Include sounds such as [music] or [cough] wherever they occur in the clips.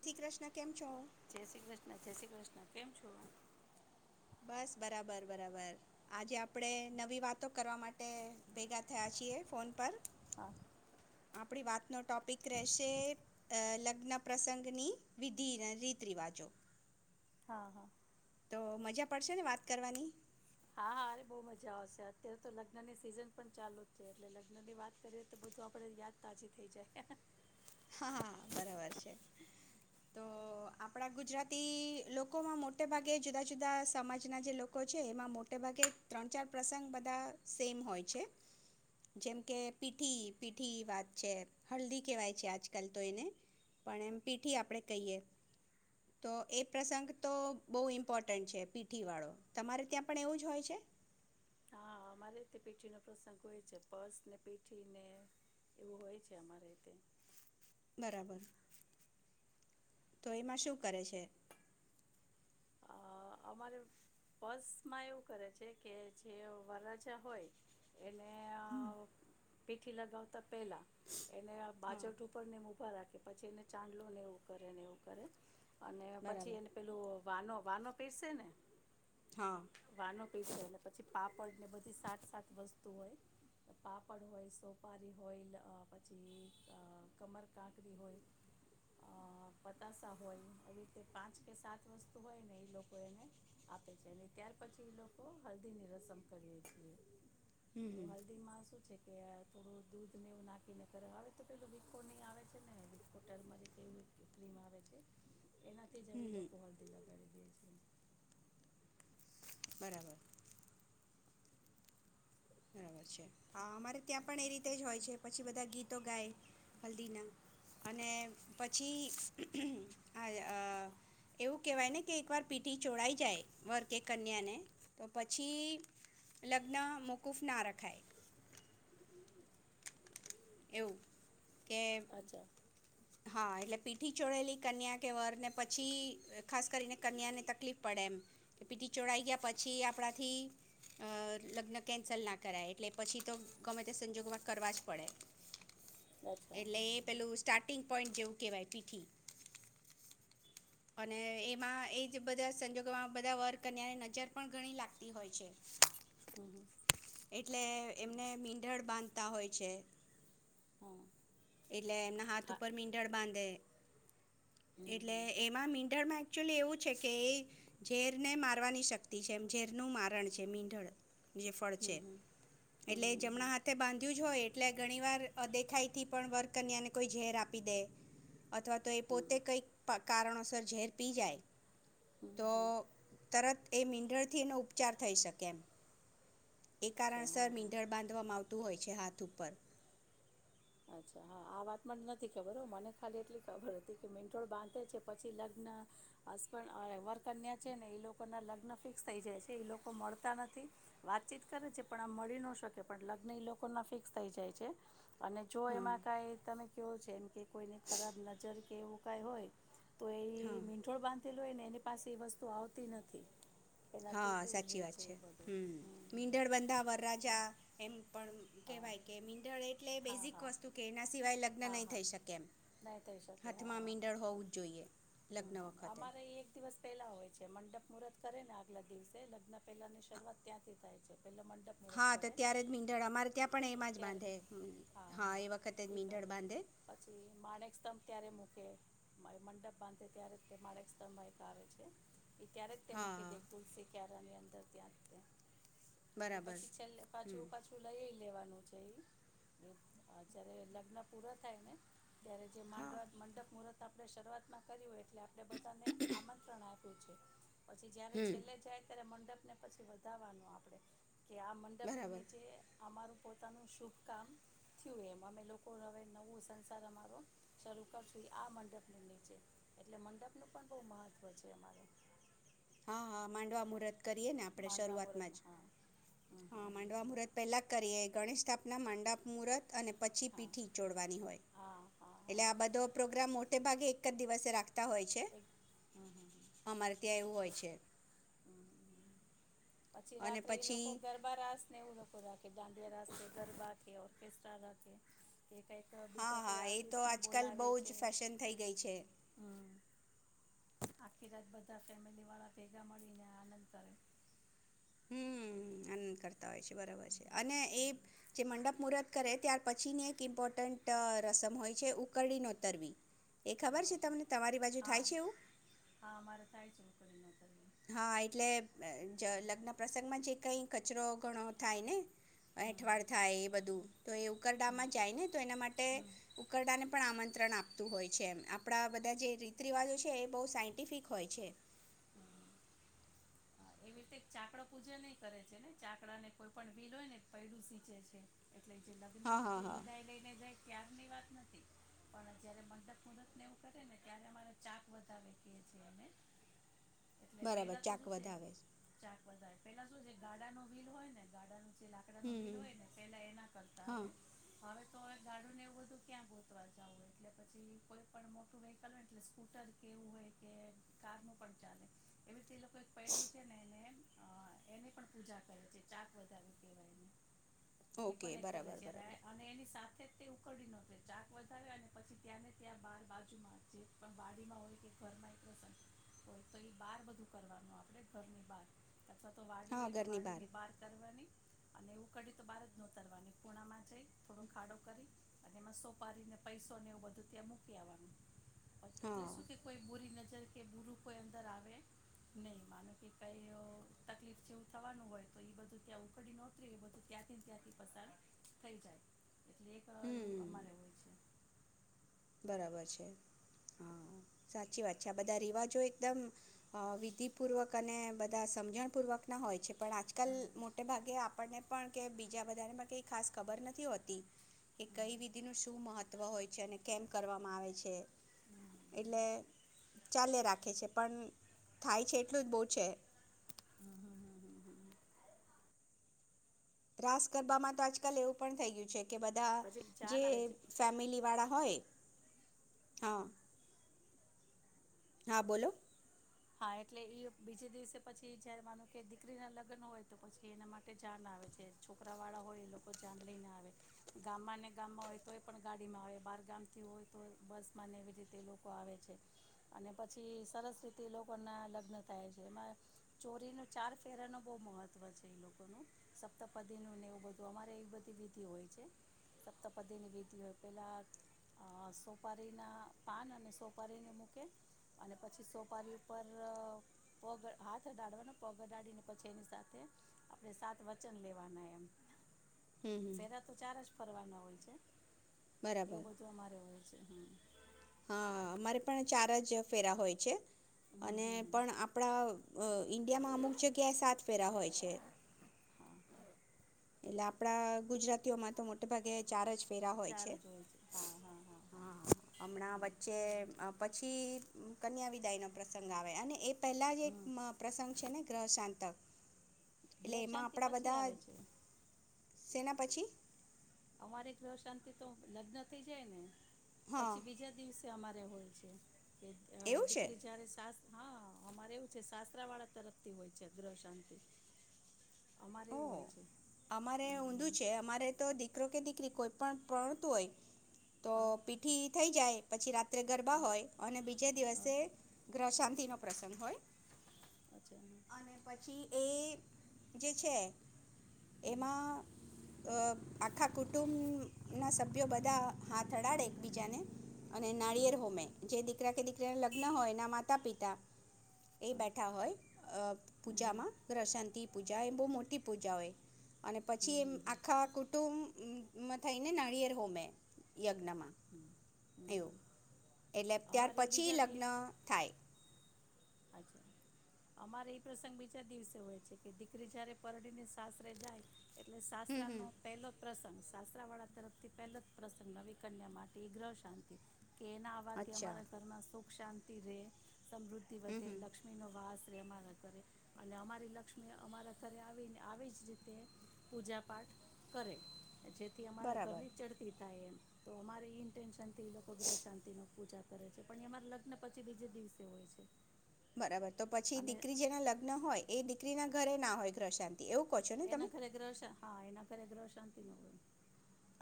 શ્રી કૃષ્ણ કેમ છો? જય શ્રી કૃષ્ણ જય શ્રી કૃષ્ણ કેમ છું. બસ બરાબર બરાબર આજે આપડે નવી વાતો કરવા માટે ભેગા થયા છીએ ફોન પર હા. આપણી વાતનો ટોપિક રહેશે લગ્ન પ્રસંગની વિધિ રીત રિવાજો. હા હા. તો મજા પડશે ને વાત કરવાની. હા હા બહ મજા આવશે અત્યારે તો લગ્ન ની સિઝન પણ ચાલુ જ છે એટલે લગ્ન ની વાત કરીએ તો બધું આપડે યાદ તાજી થઇ જાય. હાા બરાબર છે તો આપણા ગુજરાતી લોકોમાં મોટે ભાગે જુદા જુદા સમાજના જે લોકો છે એમાં મોટે ભાગે ત્રણ ચાર પ્રસંગ બધા સેમ હોય છે જેમ કે પીઠી પીઠી વાત છે હળદી કેહેવાય છે આ. આજકાલ તો એને પણ એમ પીઠી આપણે કહીએ તો એ પ્રસંગ તો બહુ ઇમ્પોર્ટન્ટ છે પીઠી વાળો તમારે ત્યાં પણ એવું જ હોય છે. હા અમારે રીતે પીઠી નો પ્રસંગ હોય છે પર્સ ને પીઠી ને એવું હોય છે અમારે રીતે બરાબર તો એમાં શું કરે છે. અ અમારે બસમાં એવું કરે છે કે જે વરાજા હોય એને અ હમ્મ. પીઠી લગાવતા પેલા એને હા બાજટ ઉપર ને વા રાખે પછી એને ચાંદલો ને એવું કરે ને એવું કરે. અને પછી બરાબર એને પેલું. વાનો વાનો પસેને. હા. એ છે ને પછી પાપડ ને બધી સાત-સાત વસ્તુ હોય પાપડ હોય, સોપારી હોય પછી અ કમર કાંકરી હોય અ પતાસા હોય આવી રીતે પાંચ કે સાત વસ્તુ હોય ને એ લોકો. લોકો એને આપે છે અને ત્યાર પછી લોકો હલ્દીની રસમ કરીયે છીએ. હમ હમ હલ્દી મામાં શું. જે કે થોડું દૂધને એવું નાખીને કરે આવે તો પેલું વિીફો નહીં આવે છે ને વિીફોટરમાંરી એવું ક્રીમ આવે છે. એનાથી જ હમ હમ લોકો હલ્દી લગાડી. જે છે. બરાબર. બબ હ અમારે ત્યાં પણ એ રીતે જ હોય છે પછી બધા ગીતો ગાય હલ્દીના અને પછી આ એવું કેહેવાય ને કે એકવાર પીઠી ચોડાાય જાય વર્ કે કન્યાને તો પછી લગ્ન મુ મુકૂફ ના રખાય. એવું. કે. અચ્છા હા એટલે પીઠી ચોડેલી કન્યા કે વરને પછી ખાસ કરીને કન્યાને તકલીફ પડે એમ કે પીઠી ચોડાઈ ગયા પછી આપણાથી અ લગ્ન કેન્સલ ના કરાય એટલે પછી તો ગમે તે સંજોગોમાં કરવા જ પડે. અચ્છા એટલે એ પેલું સ્ટાર્ટ. પિંગ પોઈન્ટ જેવું કહેવાય પીઠી અને એમાં એજ બધા સંજોગોમાં બધા વર્ક અનેની નજર પણ ઘણી લાગતી હોય છે. હમ હમ એટલે એમને મીંંધળ બાંધ તા હોય છે. હા એટલે એમના હાથ હા ઉપર મીંટણ બાંધે હમ એટલે હમ મીંઢણમાં એકચુલી એવું છે કે એ ઝેર ને મારવાની શક્તિ છે એમ ઝેરનું મારણ છે મીંઢળ. જે ફળ છે હમ એટલે હમ જમણા હાથે બાંધ્યું જ હોય. એટલે ઘણીવાર અદેખાઈથી પણ વર્ક કન્યાને કોઈ ઝેર આપી દે. અથવા તો એ હમ પોતે કઈક પાક કારણોસર ઝેર પી જાય. હમ તો હમ તરત એ મીંઢળ થીનો ઉપચાર થઈ શકે એમ. એ અચ્છા હા કારણસર હા મીંધળ બાંધવામાં આવતું હોય. પછે હાથ ઉપર. અચ્છા હા આ વાતમાં નથી ખબર હો મને ખાલી એટલી ખબર હતી કે મીંઠોળ બાંધે છે પછી લગ્ન હસબડવર્ક અન્યા છે ને એ લોકોના લગ્ન ફિક્સ થઈ જાય છે એ લોકો મળતા નથી વાતચીત કરે છે પણ આમ મળી ન શકે પણ લગ્ન એ લોકો ના ફિક્સ થઈ જાય છે. અને જો હા એમાં કાઈ તમે કવયો છે એમ કે કોઈને ખરાબ નજર કે એવું કઈ હોય. તો એ હા મીંઠોળ બાંધ લોઈને એની પાસે એ વસ્તુ આવતી નથી. એનાથી હા દૂર સાચી રહે વાત છે એ બધું હમ હમ. મીંંદળ બંધાવર રાજા એમ પણ હા કેહેવાય કે મીંડણ એટલે હા હા બેઝિક હા વસ્તુ કે એના સિવાય લગ્ન હા નહી હા થઈ શકે એમ નહીં થઈ શકે હા હાથમાં હા મીંડળ હોવું જ જોઈએ લગ્ન હમ વખતે. અમારે એક દિવસ પહેલા હોય છે મંડપ મુહૂર્ત કરે ને આગલા દિવસે લગ્ન પહેલાંની શરૂઆત ત્યાંથી થાય છે. પહેલાં મંડપ મુહૂર્ત હા તો કરે ત્યારે જ મીંઢણ અમારે ત્યાં પણ એમાં જ ત્યારે બાંધે હા એ વખતે એ કરે મીંધન બાંધે. પછી માણેક સ્તંભ ત્યારે મૂકે મંડપ બાંધે ત્યારે તે માળક સ્તરમાં એક આવે છે. એ ત્યારે જ તે હા મૂકી હા દે તુલસી ક્યારા ની અંદર. [unintelligible] એ બરાબર પછી છેલ્લે હમ પાછું પાછું લઈ. લેવાનું છે એ જ્યારે લગ્ન પૂરા થાય ને ત્યારે જે માંડ હા મંડપ મુહૂર્ત આપણે શરૂઆતમાં કર્યું એ એટલે આપણે બધાને આમંત્રણ આપી. [unintelligible] પછી જયારે હમ છેલ્લે જાય ત્યારે મ ને પછી વધવાનું આપડે કે આ મંડપને બરાબર નીચે અમારું પોતાનું શુભકામ થ્યું એમ. અમે લોકો હવે નવું સંસાર અમારો શરૂ કરશું ઈ આ મંડપની નીચે. એટલે મંડપનું પણ બોવ મહત્ત્વ છે અમારે. હા, હા, માંડવા મુરત કરીએ ને આપણે માંડવા શરૂઆતમાં જ. મુહૂર્તનું હા હમ હા, હમ હમ માંડવા મુહૂર્ત પેલા કરીએ ગણેશ સ્થા ના, મંડપ મૂરત અને પછી હા પીઠી ચોડવાની હોય. હા હા એટલે હા આ બધો પ્રોગ્રામ મો ટે ભાગે એક જ દિવસે રાખ- તા હોય છે. એક હમ હમ હમ અમારે ત્યાં એવું હોય છે. હમ હમ પછી અને રાત્રે એ પછી લોકો ગરબા રાસ ને એવું લોકો રાખેતા ડે રાસે ગરબા કે ઓર્કેસ્ટ્રા રાખે. કે કઈક હા બીજા હા કોઈ એ તો આર્ટિસ્ટને આજકાલ બોલાવે બહુ છે. જ ફેશન થઈ ગઈ છે હમ્મ આખી રાત બધા ફેમિલીવાળા ભેગા મળીને આનંદ કરે. હમ આનંદ કરતા હોય છે બરાબર છે, અને એ જે મંડપ મુહૂર્ત કરે ત્યાર પછીની એક ઇમ્પોર્ટન્ટ રસમ હોય છે ઉકરડી નોતરવી એ ખબર હા છે તમને? તમારી બાજુ થાય હા છે એવું હા મારે થાય છે. કરી [unintelligible] હા એટલે અ લગ્ન પ્રસંગમાં જે કઈ કચરો ઘણો થાય ને હમ એઠવાડ થાય એ બધું તો એ હમ ઉકરડામાં જાય ને તો એના માટે હમ ઉકરડા ને પણ આમં વિત્રણ આપતું હોય છે, એમ આપણા બધા જે રીત રિવાજો છે એ બહુ સાયન્ટિફિક હોય છે. એવી રીતે ચાકડો પૂજે નહી કરે છે ને, ચાકડા ને કોઈ પણ ભીલ હોય ને પૈડું સીચે છે. એટલે જે હા લગનમા જે હા હા વિદાય લઈને જાય. ત્યારની વાત નથી પણ જયારે મંડપ મુહરત ને એવું કરે ને ત્યારે અમારે ચાક વધાવ છીએ અમે બરાબર ચાક વધાવે છે. [unintelligible] પેલા શું ગાડાનું વિલ હોય ને ગાડાનું જે હમ લાકડાનું વિલ હોય હમ ને પેલા એના કરતા હા હ હવે તો ગાડુંને એવું બધું ક્યાં ગોતવા જવું હોય એટલે પછી કોઈ પણ મોટું વેહકલ હોય એટલે સ્કૂટર કેવું હોય કે કાર નું પણ ચાલે એવી રીતે એ લોકો [unintelligible] હ એની પણ પૂજા કરે છે, ચાક વધારે કેવાયને એ ઈ ઓકે પણ એક કરે બરાબર છે અને બરાબર અને એની સાથે તે ઉકડી ન ચાક વધારે અને પછી ત્યાં ને ત્યાં બાર બાજુમાં જે પણ બાડીમાં હોય કે ઘર માં એક પ્રસ હોય તો એ બાર બધું કરવાનું આપે આપે ઘરની બહાર અથવા તો વાડી હા હોય તો ઘરની વાડી ને બહાર કરવાની. અને એવું કઢ તો બાર જ નોતરવાની ખૂણામાં છે. થોડો ખાડો કરી એમાં સોપારીને પૈસોને એવું બધું ત્યાં મૂકી આવવાનું. એટલે શું કે હા કોઈ બોરી નથી જેમ કે બુરુ કોઈ અંદર આવે નહી. માનો કે કઈ તકલીફ જેવું થવાનું હોય તો એ બધું ત્યાં ઉકડી નહોતરી એ બધું ત્યાંથીને ત્યાંથી પસાર થઈ જાય. એટલે એ એવું અમારે હમ હોય છે. બરાબર હા સાચી વાત છે આ બધા રિવાજો એકદમ અ વિધિ પૂર્વક અને બધા સમજણ પૂર્વક ના હોય છે પણ આજકાલ મોટે ભાગે આપણને પણ કે બીજા બધાને પણ કઈ ખાસ ખબર નથી હોતી કે કઈ વિધિ ન શું મહત્વ હોય છે અને કેમ્પ કરવામાં આવે છે. એટલે ચાલે રાખે છે. પણ થાય છે એટલું જ બોવ છે. હમ હમ રાસ ગરબામાં તો આજકાલ એવું પણ થઈ ગ્યું છે કે, બધા પછી જે જાન આવે છે ફેમિલી વાળા હોય, હં. હા, બોલો. હા, એટલે ઈ બીજે દિવસે પછી જયારે માનો કે દીકરી ના લગ્ન હોય તો પછી એના માટે જાન આવે છે. છોકરા વાળા હોય એ લોકો જાન લઈને આવે. ગામમાં ને ગામમાં હોય તો એ પણ ગાડીમાં આવે બાર ગામ થી હોય તો બસમાં ને એવી રીતે લોકો આવે છે અને પછી સરસ રી તે લોકોના લગ્ન થાય છે. એમાં ચોરીનું ચાર ફેરાનો બોવ મહત્વ છે એ લોકોનું. સપ્તપદીનું ને એવું બધું અમારે એવી બધી વિધિ હોય છે. સપ્તપદીની વિધિ હોય. પેલાં અ સોપારીના પાન અને સોપારીને મૂકે અને પછી સો પારી ઉપર પગ હાથ અડાડવાનો પગ અડાડીને પછી એની સાથે આપણે સાત વચન લેવાના એમ. હમ હમ ફેરા તો ચાર જ ફરવાના હોય છે. એવું બરાબર બધું અમારે હોય છે. [inaudible] હા અમારે પણ ચાર જ ફેરા હોય છે. હમ અને હમ હમ પણ આપણા અ ઈન્ડિયામાં અમુક જગ્યાએ સાત ફેરા હોય છે. હા એટલે આપડા ગુજરાતીઓમાં તો મોટે ભાગે ચાર જ ફેરા હોય ચાર છે, જ હોય હા હા હા અમણાં વચ્ચે પછી કન્યા વિદાયનો પ્રસંગ આવે અને એ પેલા જ એક હમ પ્રસંગ છે ને ગ્રહશાંતક. ગ્રહ શાંતિ પછી આવે છે. સેના પછી અમારે ગ્રહ શાંતિ તો લગ્ન થઇ જાય ને હા પછી બીજા દિવસે અમારે હોય છે. કે એવું છે દીકરી જારે સાસ હા અમારે એવું છે સાસરા વાળા તરફથી હોય છે ગ્રહ શાંતિ અમારે ઓ એવું હોય છે અમારે ઊંધું હમ છે અમારે તો દી દીકરો કે દીકરી કોઈ પણ પ્રણતું હોય. તો હા પીઠી થઈ જાય પછી રાત ગરબા હોય અને બીજે હા દિવસે ગ્રાશાંત [unintelligible] પ્રસંગ હોય. અચ્છા હમ અને પછી એ જે છે એમાં અ આખા કુટુંબ ના સભ્યો બધા હાથ અડાડે એક બીજાને અને નાળિયેર હોમે જે દીકરા કે દીકરા લગ્ન હોય એના માતા પિતા એ બેઠા હોય હમ પૂજામાં ગ્રશાંતિ પૂ પૂજા એ બહુ મોટી પૂજા હોય. અને હમ પછી એમ હમ હમ આખા કુટુંબ થઈને નાળિયેર હોમે યજ્ઞમાં હમ એવું હમ એટલે ત્યાર અમારે પછી બીજા લગ્ન દિવસ થાય. અચ્છા અમારે એ પ્રસંગ બીજા દિવસે હોય છે કે દીકરી જયારે પરડીને સાસરે જાય એટલે હમ હમ શાસ્ત્રનો પહેલો પ્રસંગ સાસ્ત્ર વાળા તરફથી પહેલો જ પ્રસંગ નવી કન્યા માટે ગ્રહ શાંતિ કે એના આવવાથી અચ્છા અમારા ઘરના સુખ શાંતિ રહેે સમૃદ્ધ તિ હમ વધે હમ લક્ષ્મીનો વાસ [unintelligible] અમારા ઘરે અને અમારી લક્ષ્મી અમારા ઘરે આવીને આવી જ રીતે પૂજા પાઠ કરે. જેથી અમારા બરાબર ઘરની ચડતી થાય એમ. તો અમારે ઇન્ટેન્શન એ લોકો ગ્રહ શાંતી નો પૂજા કરે છે પણ એમારે લગ્ન પછી બીજે દિવસે હોય છે. બરાબર, તો પછી અને દીકરી જેના લગ્ન હોય એ દીકરીના ઘરે ના હોય ગ્રશાંત એના ઘરે ગ્રશા, હા એના ઘરે ગ્રશાંત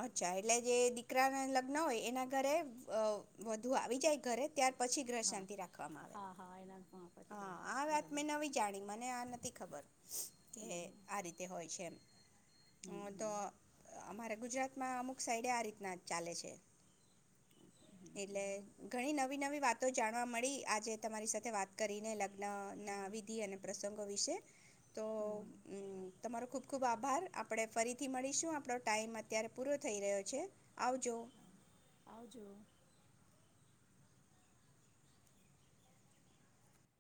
અચ્છા એટલે જે દીકરા ના લગ્ન હોય એના ઘરે અ વધુ આવી જાય ઘરે ત્યાર પછી ગ્રહ હા શાંતિ રાખવામાં આવે. હા હા એના પછી ગ્રહ હા શાંતિ આ વાત બરાબર મેં છે નવી જાણી મને આ નથી ખબર કે હમ આ રીતે હોય છે એમ હમ અમ તો હમ અમારે ગુજરાતમાં અમુક સાઈડે આ રીતના ચાલે છે. એટલે ઘણી નવી નવી વાત તો જાણવા મળી આજે તમારી સાથે વાત કરીને લગ્નના હા વિધિ અને પ્રસંગો વિશે તો અ તમારો ખુબ ખૂબ આભાર આપણે ફરીથી મળીશું આપણો ટાઈમ અત્યારે પૂરો થઈ રહ્યો છે. આવજો. આવજો.